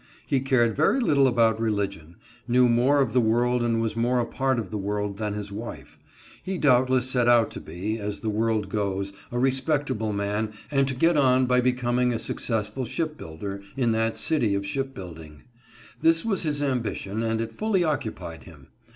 He cared very little about Ueligion ; knew more of the world and was more a part of the world, than his wife. He doubt less set out to be, as the world goes, a respectable man and to get on by becoming a successful ship builder, in that city of ship building. This was his ambition, and it fully occupied him.